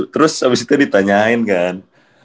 terus habis itu ditanyain kan